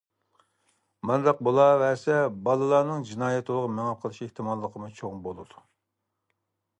بۇنداق بولۇۋەرسە بالىلارنىڭ جىنايەت يولىغا مېڭىپ قېلىش ئېھتىماللىقىمۇ چوڭ بولىدۇ.